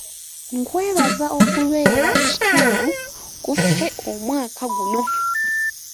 Nkwebaza okubeera ekitundu ku ffe omwaka guno.